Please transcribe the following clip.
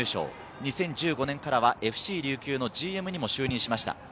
２０１５年からはＦＣ琉球のＧＭにも就任しました。